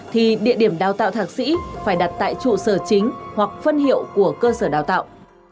thì địa điểm đào tạo thạc sĩ phải đặt tại trụ sở chính hoặc phân hiệu của cơ sở đào tạo